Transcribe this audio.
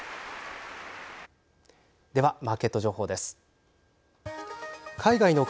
ではマーケット情報です。